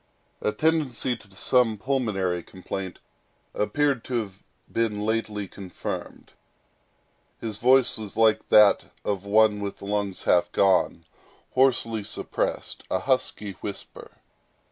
A tendency to some pulmonary complaint appeared to have been lately confirmed. His voice was like that of one with lungs half gone—hoarsely suppressed, a husky whisper.